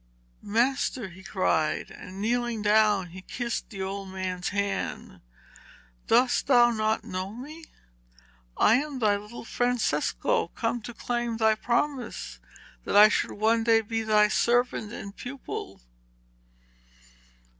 'Master!' he cried, and kneeling down he kissed the old man's hands. 'Dost thou not know me? I am thy little Francesco, come to claim thy promise that I should one day be thy servant and pupil.